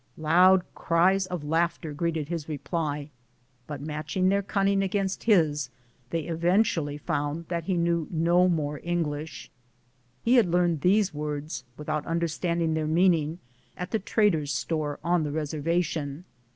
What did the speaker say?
Loud cries of laughter greet ed his reply ; but matching their cunning against his, they eventually found that he knew no more English. He had learned these words, without understanding their meaning, at the trader's store on the reserva tion.